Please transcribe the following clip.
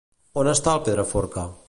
On està el Pedraforca?